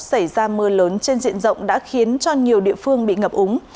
xảy ra mưa lớn trên diện rộng đã khiến cho nhiều địa phương bị ngập úng